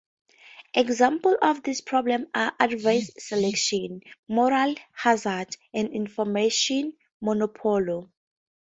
Examples of this problem are adverse selection, moral hazard, and information monopoly.